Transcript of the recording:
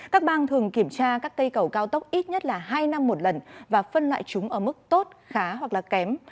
các bang thường kiểm tra các cây cầu cao tốc ít nhất là hai năm một lần và phân loại chúng ở mức tốt khá hoặc là kém